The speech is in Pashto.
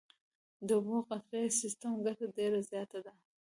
د اوبو د قطرهیي سیستم ګټه ډېره زیاته ده.